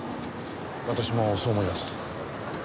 私もそう思います。